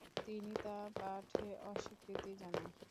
তিনি তা পাঠে অস্বীকৃতি জানান।